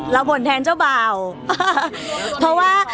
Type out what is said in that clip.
เราปนแทนเจ้าบ่าอ